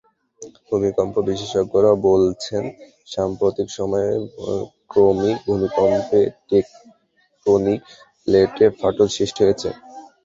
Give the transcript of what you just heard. ভূমিকম্প বিশেষজ্ঞরা বলছেন, সাম্প্রতিক সময়ে ক্রমিক ভূমিকম্পে টেকটোনিক প্লেটে ফাটল সৃষ্টি হয়েছে।